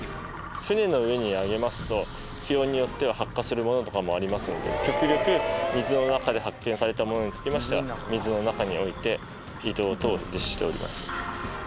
船の上にあげますと、気温によっては発火するものとかもありますので、極力、水の中で発見されたものにつきましては、水の中において、移動等を実施しております。